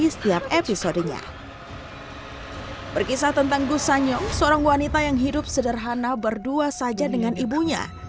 seorang orang yang hidup sederhana berdua saja dengan ibunya